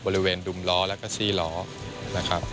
บริเวณดุมล้อแล้วก็ซี่ล้อนะครับ